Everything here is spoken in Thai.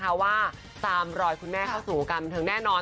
เพราะว่าตามรอยคุณแม่เข้าสู่วงการบันเทิงแน่นอน